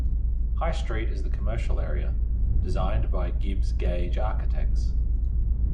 High Street is the commercial area, designed by Gibbs Gage Architects.